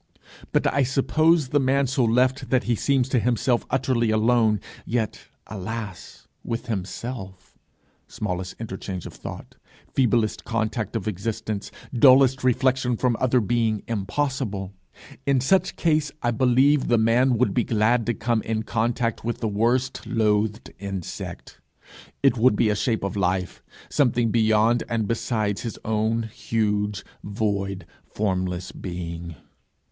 But I suppose the man so left that he seems to himself utterly alone, yet, alas! with himself smallest interchange of thought, feeblest contact of existence, dullest reflection from other being, impossible: in such evil case I believe the man would be glad to come in contact with the worst loathed insect: it would be a shape of life, something beyond and besides his own huge, void, formless being!